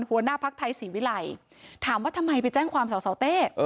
หัวหน้าภักดิ์ไทยศรีวิรัยถามว่าทำไมไปแจ้งความสาวเต้